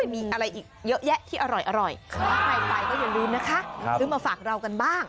มีอะไรอีกเยอะแยะที่อร่อยถ้าใครไปก็อย่าลืมนะคะซื้อมาฝากเรากันบ้าง